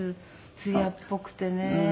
艶っぽくてね。